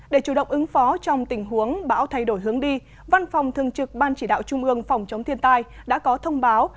để chủ động ứng phó trong tình huống bão thay đổi hướng đi văn phòng thường trực ban chỉ đạo trung ương phòng chống thiên tai đã có thông báo